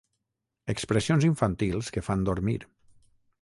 Expressions infantils que fan dormir.